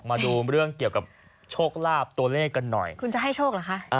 มาดูเรื่องเกี่ยวกับโชคลาภตัวเลขกันหน่อยคุณจะให้โชคเหรอคะ